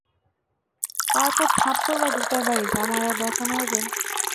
তারপর থাপ্পড় বা জুতার বাড়ি, যা মারার দরকার মারবেন।